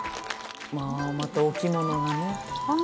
「まあまたお着物がね」